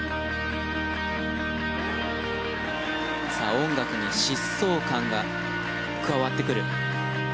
音楽に疾走感が加わってくる。